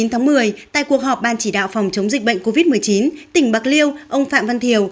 hôm chín một mươi tại cuộc họp ban chỉ đạo phòng chống dịch bệnh covid một mươi chín tỉnh bạc liêu ông phạm văn thiều